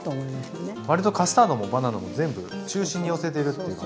割とカスタードもバナナも全部中心に寄せてるっていう感じですね。